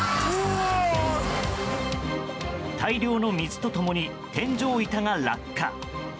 大量の水と共に天井板が落下。